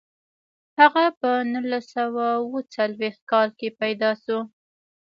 هغه په نولس سوه اووه څلویښت کال کې پیدا شو.